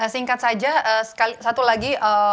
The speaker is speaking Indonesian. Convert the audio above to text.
singkat saja satu lagi